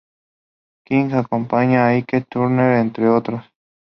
King, acompañado de Ike Turner, entre otros.